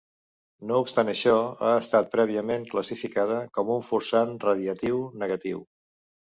No obstant això, ha estat prèviament classificada com un forçant radiatiu negatiu.